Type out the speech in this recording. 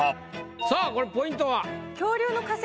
さあこれポイントは？